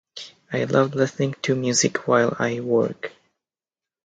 I love listening to music while I work.